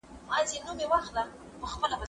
زه کولای سم سبا ته فکر وکړم؟